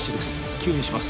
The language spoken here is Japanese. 吸引します